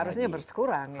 harusnya bersekurang ya